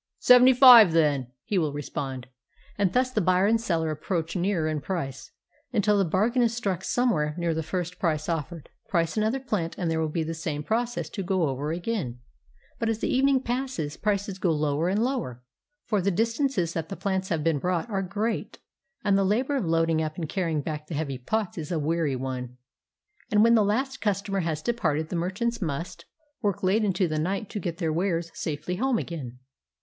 ''Seventy five, then," he will respond; and thus the buyer and seller approach nearer in price, until the bargain is struck somewhere near the first price offered. Price another plant and there would be the same process to go over again; but as the evening passes, prices go lower and lower, for the distances that the plants have been brought are great, and the labor of loading up and carrying back the heavy pots is a weary one, and when the last customer has departed the merchants must 404 HOW JAPANESE LADIES GO SHOPPING work late into the night to get their wares safely home again.